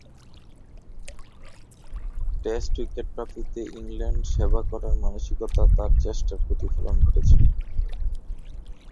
Test wicket প্রাপ্তিতে England সেবা করার মানসিকতা তার চেষ্টার প্রতিফলন ঘটেছে।